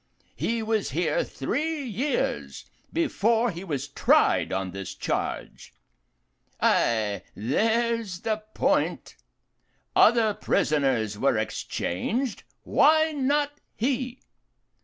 He was here three years before he was tried on this charge. Ay, there's the point. Other prisoners were exchanged why not he?